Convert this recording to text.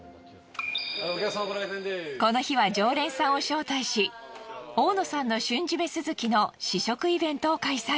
この日は常連さんを招待し大野さんの瞬〆スズキの試食イベントを開催。